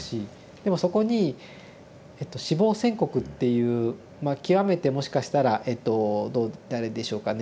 でもそこに死亡宣告っていうまあ極めてもしかしたらえと誰でしょうかね